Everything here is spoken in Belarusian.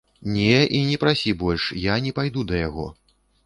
Не, і не прасі больш, я не пайду да яго.